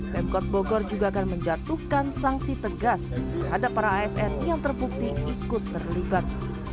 pemkot bogor juga akan menjatuhkan sanksi tegas terhadap para asn yang terbukti ikut terlibat